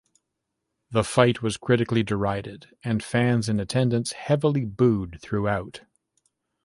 The fight was critically derided and fans in attendance heavily booed throughout.